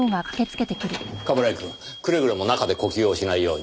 冠城くんくれぐれも中で呼吸をしないように。